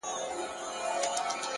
علم د انسان د هویت رڼا ده،